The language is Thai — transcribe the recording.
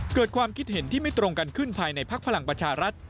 เกิดความคิดเห็นที่ไม่ตรงกันขึ้นภายในภักดิ์พลังประชารัฐ